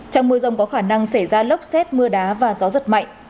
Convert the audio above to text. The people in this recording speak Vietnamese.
trong mưa rông có khả năng xảy ra lốc xét mưa đá và gió giật mạnh